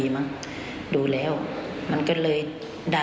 เพื่อให้ไม่รอมอด